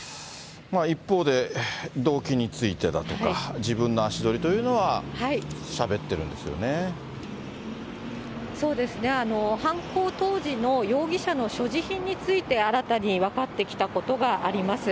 一方で、動機についてだとか、自分の足取りというのはしゃべっそうですね、犯行当時の容疑者の所持品について新たに分かってきたことがあります。